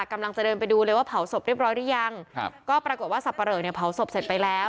กำลังจะเดินไปดูเลยว่าเผาศพเรียบร้อยหรือยังครับก็ปรากฏว่าสับปะเหลอเนี่ยเผาศพเสร็จไปแล้ว